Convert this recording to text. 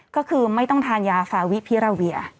ก็คือไม่ต้องทานยาฟาวิพิราเวีย